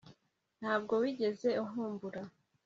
ntabwo wigeze unkumbura